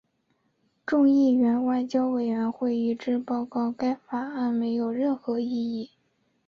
众议院外交委员会一致报告该法案没有任何意义。